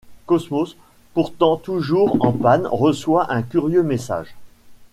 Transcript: Cosmos, pourtant toujours en panne, reçoit un curieux message.